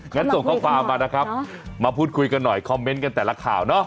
ส่งข้อความมานะครับมาพูดคุยกันหน่อยคอมเมนต์กันแต่ละข่าวเนาะ